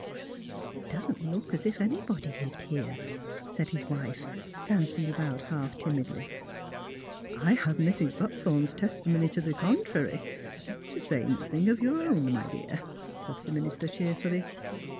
*' It doesn't look as if anybody lived here," said his wife, glancing about half timidly. '' I have Mrs. Buckthorn's testimony to the contrary — to say nothing of your own, my dear, '' quoth the minister, cheerfully.